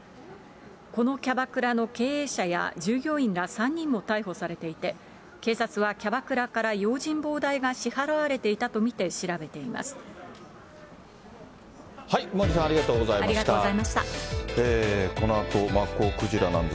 このキャバクラの経営者や従業員ら３人も逮捕されていて、警察はキャバクラから用心棒代が支払われていたと見て調べていま本当にやり切れない